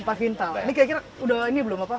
empat quintal ini kira kira udah ini belum apa